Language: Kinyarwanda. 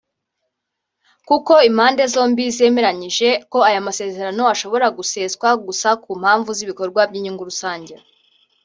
kuko impande zombi zemeranyije ko aya masezerano ashobora guseswa gusa ku mpamvu z’ibikorwa by’inyungu rusange